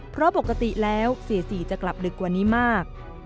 เพราะปกติแล้วเสียสีจะกลับดึกกว่านี้มาก